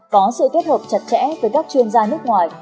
có sự kết hợp chặt chẽ với các chuyên gia nước ngoài